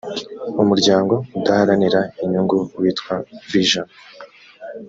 umuryango udaharanira inyungu witwa vision